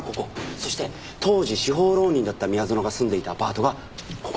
そして当時司法浪人だった宮園が住んでいたアパートがここ。